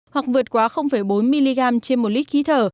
hoặc vượt quá bốn mg trên một lít khí thở